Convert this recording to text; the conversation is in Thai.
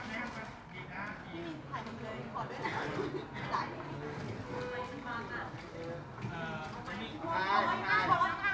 ขอขอบคุณหน่อยนะคะ